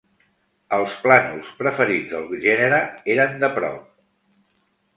Els plànols preferits del gènere eren de prop.